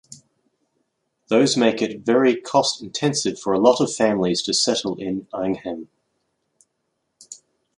Those make it very cost intensive for a lot of families to settle in Enghien.